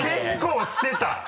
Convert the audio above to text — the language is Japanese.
結構してた。